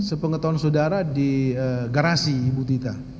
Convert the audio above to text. sepengetahuan saudara di garasi ibu tita